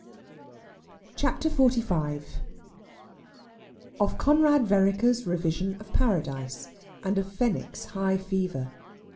CHAPTER XLV OF CONRAD VEREKER'S REVISION OF PARADISE, AND OF FENWICK'S HIGH FEVER.